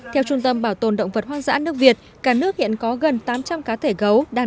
theo trung tâm bảo tồn động vật hoang dã nước việt cả nước hiện có gần tám trăm linh cá thể gấu đang